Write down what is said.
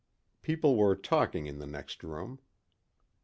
People were talking in the next room.